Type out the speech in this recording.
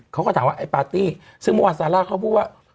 เขาก็ถามว่าไอ้ปาร์ตี้ซึ่งเมื่อวานซาร่าเขาพูดว่า